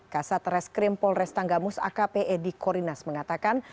kasat reskrim polres tanggamus akpe di korinas mengatakan